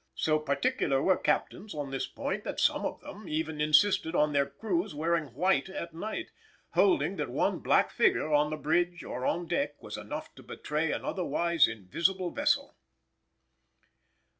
So particular were captains on this point that some of them even insisted on their crews wearing white at night, holding that one black figure on the bridge or on deck was enough to betray an otherwise invisible vessel.